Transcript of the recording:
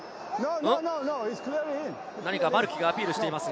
何かマルキがアピールしています。